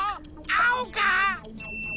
あおか？